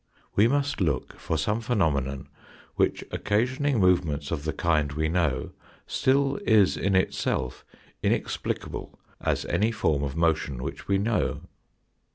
We must look for some phenomenon which, occasioning movements of the kind we know, still is itself inexplicable as any form of motion which we know.